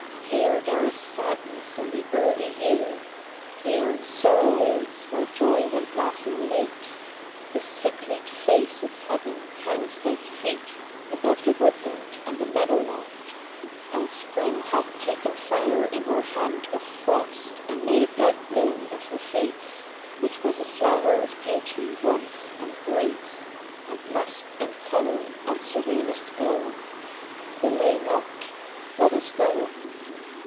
Here there is sadness in the early year: Here sorrow is where joy went laughing late: The sicklied face of heaven hangs like hate Above the woodland and the meadowland; And Spring hath taken fire in her hand Of frost and made a dead bloom of her face, Which was a flower of beauty once and grace, And musk and color and serenest glow. Delay not; let us go.